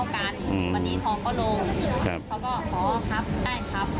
เขาก็พอครับได้ครับ